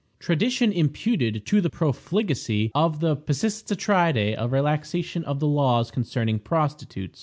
Tradition imputed to the profligacy of the Pisistratidæ a relaxation of the laws concerning prostitutes.